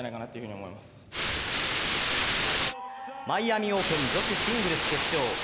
マイアミ・オープン女子シングルス決勝。